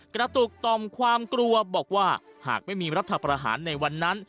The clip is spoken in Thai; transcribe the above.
กระตุกต่อมความกลัวบอกว่าหากไม่มีรัฐประหารในวันนั้น